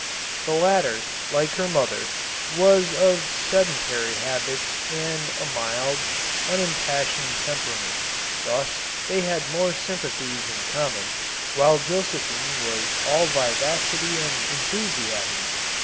The latter, like her mother, was of sedentary habits and a mild, unimpassioned temperament ; thus they had more sympathies in common, while Josephine was all vivacity and enthusiasm.